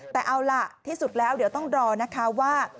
แต่เอาล่ะน่าที่สุดแล้วต้องรอนะคะว่า